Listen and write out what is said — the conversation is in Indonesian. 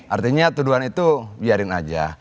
artinya tuduhan itu biarkan saja